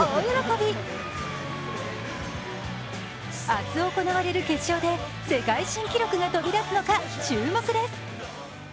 明日行われる決勝で世界新記録が飛び出すのか注目です。